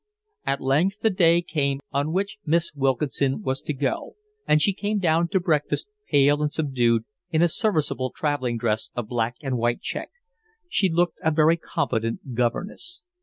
At length the day came on which Miss Wilkinson was to go, and she came down to breakfast, pale and subdued, in a serviceable travelling dress of black and white check. She looked a very competent governess.